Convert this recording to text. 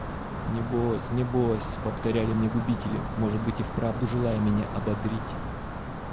«Не бось, не бось», – повторяли мне губители, может быть и вправду желая меня ободрить.